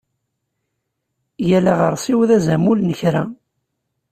Yal aɣersiw d azamul n kra.